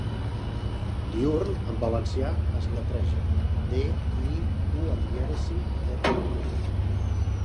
'Diürn' en valencià es lletreja: de, i, u amb dièresi, erre, ene.